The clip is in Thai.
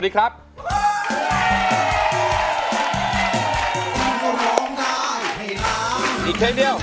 อีกดดี